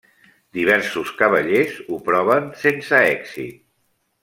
Diversos cavallers ho proven sense èxit.